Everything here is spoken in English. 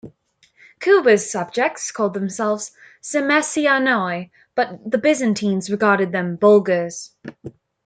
Kuber's subjects called themselves "Sermesianoi", but the Byzantines regarded them "Bulgars".